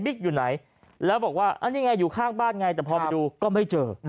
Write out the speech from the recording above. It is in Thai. อยู่ไหนแล้วบอกว่าอันนี้ไงอยู่ข้างบ้านไงแต่พอไปดูก็ไม่เจอ